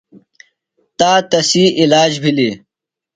تا تسی علاج بِھلیۡ۔